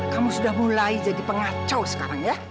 kamu sudah mulai jadi pengacau sekarang ya